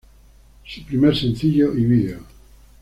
Su primer sencillo y video.